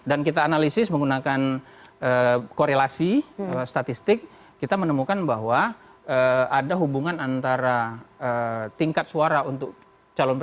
dan kita analisis menggunakan korelasi statistik kita menemukan bahwa ada hubungan antara tingkat suara untuk indonesia dan negara